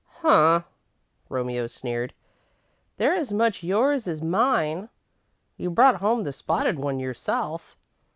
"Huh!" Romeo sneered, "they're as much yours as mine. You brought home the spotted one yourself."